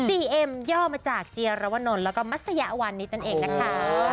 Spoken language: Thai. สี่เอ็มย่อมาจากเจียรวรรณนท์แล้วก็มัสยะวันนี้นั่นเองนะคะโอ้โห